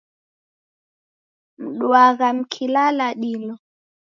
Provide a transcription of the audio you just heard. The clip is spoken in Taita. Mduagha mkilala dilo?